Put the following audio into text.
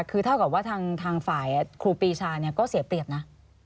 คือเท่ากับว่าทางฝ่ายครูปีชาก็เสียเปรียบนะ